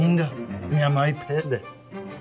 君はマイペースで。